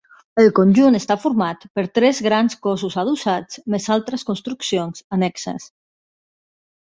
El conjunt està format per tres grans cossos adossats, més altres construccions annexes.